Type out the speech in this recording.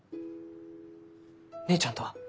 姉ちゃんとは？